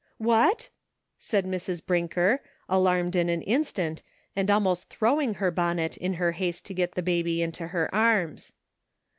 " What ?" said Mrs. Brinker, alarmed in an instant, and almost throwing her bonnet in her haste to get the baby into her arms.